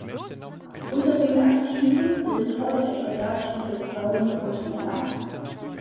Unter den Aktiven sind heute etwa gleich viele Frauen und Männer.